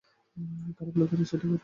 খারাপ লোকেরা সেটা করে না।